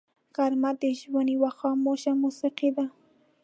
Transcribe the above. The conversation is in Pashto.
غرمه د ژوند یوه خاموش موسیقي ده